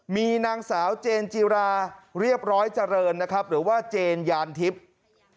มีนางสาวเจนจิราเรียบร้อยเจริญนะครับหรือว่าเจนยานทิพย์